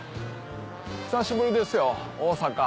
久しぶりですよ大阪。